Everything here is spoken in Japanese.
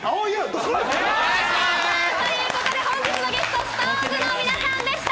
本日のゲスト・ＳｉｘＴＯＮＥＳの皆さんでした。